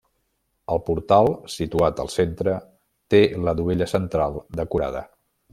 El portal, situat al centre, té la dovella central decorada.